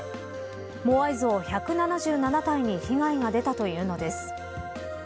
モアイ像１７７体に被害が出たというのです。